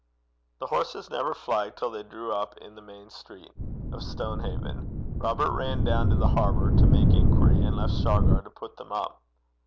The horses never flagged till they drew up in the main street of Stonehaven. Robert ran down to the harbour to make inquiry, and left Shargar to put them up.